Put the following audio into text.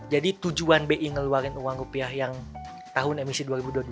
jadi tujuan bi ngeluarin uang rupiah yang tahun emisi dua ribu dua puluh dua